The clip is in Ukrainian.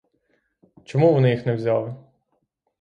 Чому вони їх не взяли?